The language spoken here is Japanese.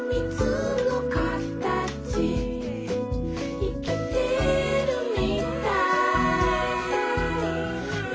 「いきてるみたい」